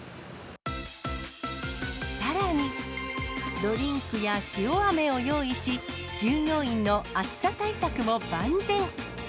さらに、ドリンクや塩あめを用意し、従業員の暑さ対策も万全。